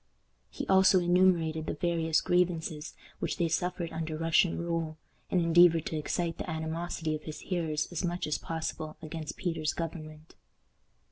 He also enumerated the various grievances which they suffered under Russian rule, and endeavored to excite the animosity of his hearers as much as possible against Peter's government.